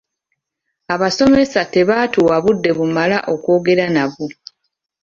Abasomesa tebaatuwa budde bumala okwogera nabo.